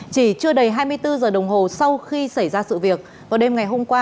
chỉ chưa đầy hai mươi bốn giờ đồng hồ sau khi xảy ra sự việc vào đêm ngày hôm qua